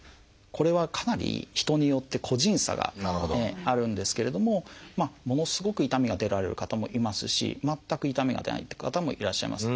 これはかなり人によって個人差があるんですけれどもものすごく痛みが出られる方もいますし全く痛みが出ないって方もいらっしゃいます。